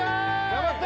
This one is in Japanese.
頑張って！